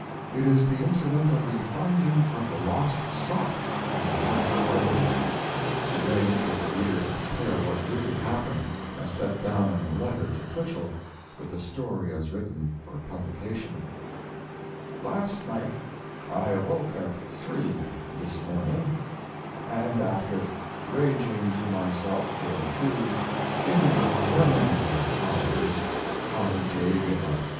It is the incident of the finding of the lost sock in the vast bedroom. It may interest the reader to compare what really happened, as set down in a letter to Twichell, with the story as written for publication: Last night I awoke at three this morning, and after raging to myself for two interminable hours I gave it up.